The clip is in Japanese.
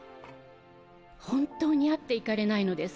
本当に会っていかれないのですか？